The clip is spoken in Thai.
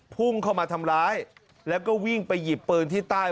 พุ่งเข้ามาทำร้ายแล้วก็วิ่งไปหยิบปืนที่ใต้